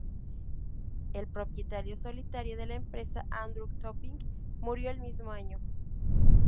El propietario solitario de la empresa Andrew Topping, murió el mismo año.